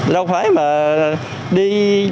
đâu phải mà đi